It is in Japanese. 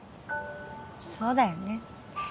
そうだよね。